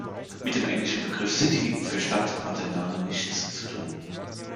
Mit dem englischen Begriff "city" für „Stadt“ hat der Name nichts zu tun.